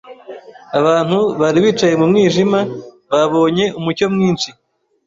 Abantu bari bicaye mu mwijima babonye umucyo mwinshi.